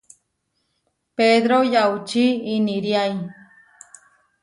Pedro yaučí iniriái.